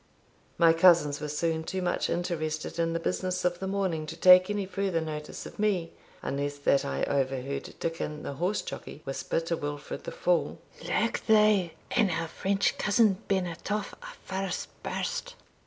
My cousins were soon too much interested in the business of the morning to take any further notice of me, unless that I overheard Dickon the horse jockey whisper to Wilfred the fool "Look thou, an our French cousin be nat off a' first burst."